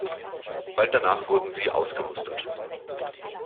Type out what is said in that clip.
Bald danach wurden sie ausgemustert.